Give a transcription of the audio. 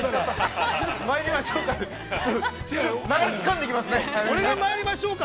ではまいりましょうか。